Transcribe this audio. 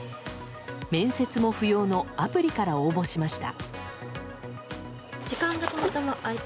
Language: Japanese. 面接も不要のアプリから応募しました。